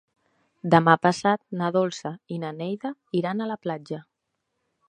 Demà passat na Dolça i na Neida iran a la platja.